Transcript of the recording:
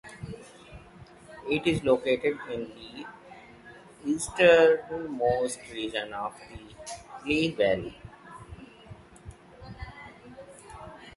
It is located in the easternmost region of the Lehigh Valley.